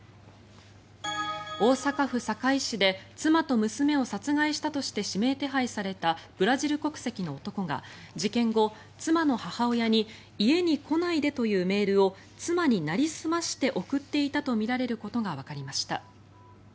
大阪府堺市で妻と娘を殺害したとして指名手配されたブラジル国籍の男が事件後、妻の母親に家に来ないでというメールを妻になりすまして送っていたとみられることがわかりました。